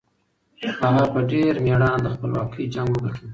هغه په ډېر مېړانه د خپلواکۍ جنګ وګټلو.